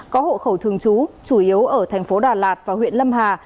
có hộ khẩu thường trú chủ yếu ở thành phố đà lạt và huyện lâm hà